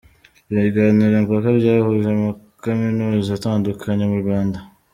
Ibiganiro mpaka byahuje amakaminuza atandukanye mu Rwanda.